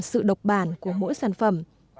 sự độc bản của mỗi sản phẩm